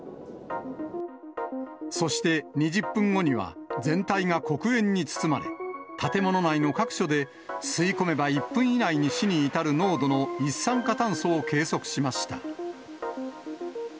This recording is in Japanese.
そして２０分後には、全体が黒煙に包まれ、建物内の各所で、吸い込めば１分以内に死に至る濃度の一酸化炭素を計測しました。